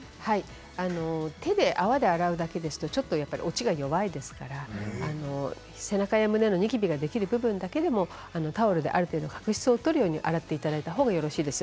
手で泡で洗うだけですと落ちが弱いですから背中や胸のニキビができる部分だけでもタオルである程度角質を取るように洗っていただいたほうがいいです。